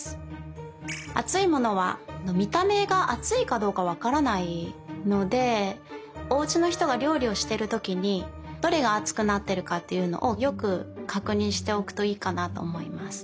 あついものはみためがあついかどうかわからないのでおうちのひとがりょうりをしてるときにどれがあつくなってるかっていうのをよくかくにんしておくといいかなとおもいます。